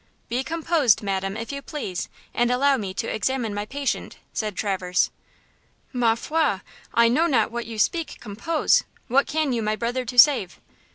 "Be composed, madam, if you please, and allow me to examine my patient," said Traverse. "Ma foi! I know not what you speak 'compose.' What can you my brother to save?"